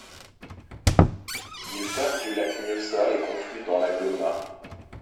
Il part du lac Mjøsa et conflue dans la Glomma.